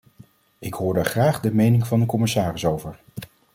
Ik hoor daar graag de mening van de commissaris over.